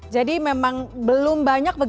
jadi memang belum banyak